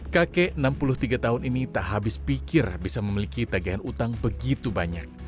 kakek enam puluh tiga tahun ini tak habis pikir bisa memiliki tagihan utang begitu banyak